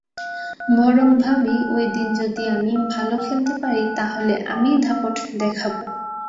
বরং ভাবি, ওই দিন যদি আমি ভালো খেলতে পারি, তাহলে আমিই দাপট দেখাব।